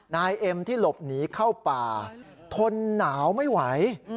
นายเอ็มที่หลบหนีเข้าป่าทนหนาวไม่ไหว